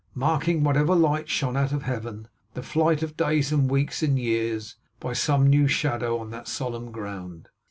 marking, whatever light shone out of Heaven, the flight of days and weeks and years, by some new shadow on that solemn ground.